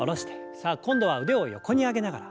さあ今度は腕を横に上げながら。